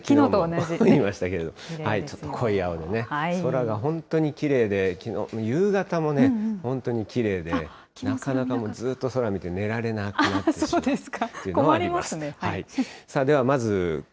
言いましたけども、ちょっと濃い青でね、空が本当にきれいで、きのう夕方もね、本当にきれいで、なかなかもう、ずっと空見て、寝られなくしまうというのはありまそうですか。